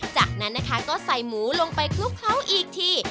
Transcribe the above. จากนั้นนะคะก็ใส่หมูลงไปคลุกเคล้าอีกที